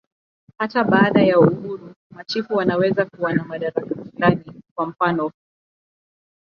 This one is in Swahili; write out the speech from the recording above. Hata baada ya uhuru, machifu wanaweza kuwa na madaraka fulani, kwa mfanof.